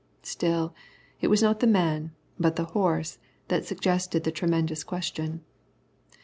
Still it was not the man, but the horse, that suggested the tremendous question.